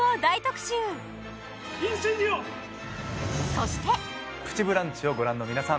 そして「プチブランチ」をご覧の皆さん